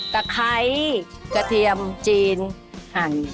ไร้กระเทียมจีนหั่น